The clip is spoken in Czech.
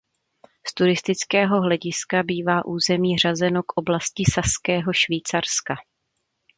Z turistického hlediska bývá území řazeno k oblasti Saského Švýcarska.